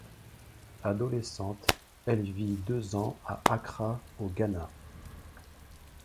Adolescente, elle vit deux ans à Accra au Ghana.